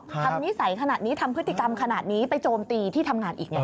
นิสัยขนาดนี้ทำพฤติกรรมขนาดนี้ไปโจมตีที่ทำงานอีกไง